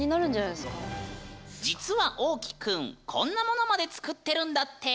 実はおうきくんこんなものまで作ってるんだって！